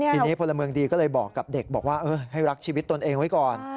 ทีนี้พลเมืองดีก็เลยบอกกับเด็กบอกว่าให้รักชีวิตตนเองไว้ก่อน